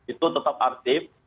itu tetap aktif